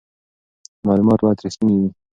معلومات باید رښتیني وي.